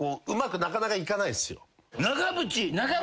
うまくなかなかいかないんすよ。